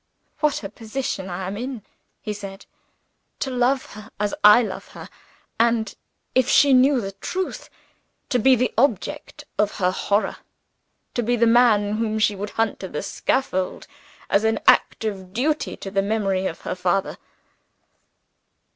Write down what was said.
"What a position I am in!" he said. "To love her as I love her; and, if she knew the truth, to be the object of her horror to be the man whom she would hunt to the scaffold, as an act of duty to the memory of her father!"